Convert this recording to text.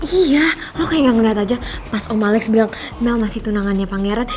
iya lo kayak ngeliat aja pas om malex bilang mel masih tunangannya pangeran